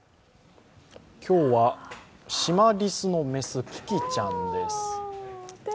今日はシマリスの雌、キキちゃんです。